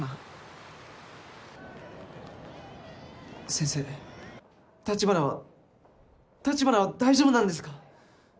先生橘は橘は大丈夫なんですか？